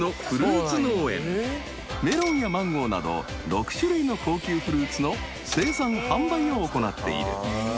［メロンやマンゴーなど６種類の高級フルーツの生産販売を行っている］